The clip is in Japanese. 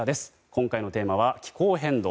今回のテーマは気候変動